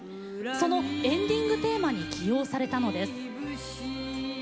そのエンディングテーマに起用されたのです。